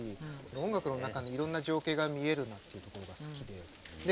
音楽の中のいろんな情景が見えるなっていうのが好きで。